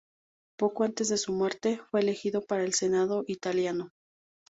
Poco antes de su muerte, fue elegido para el Senado italiano.